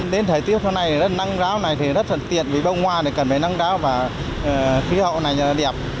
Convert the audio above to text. đến thời tiết hôm nay nắng ráo này rất là tiệt vì bông hoa cần phải nắng ráo và khí hậu này đẹp